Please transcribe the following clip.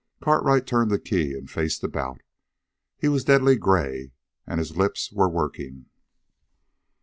Cartwright turned the key and faced about. He was a deadly gray, and his lips were working.